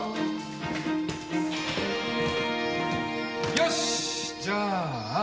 よしじゃあ